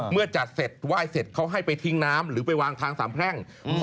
เมื่อจัดเสร็จไหว้เสร็จเขาให้ไปทิ้งน้ำหรือไปวางทางสามแพร่ง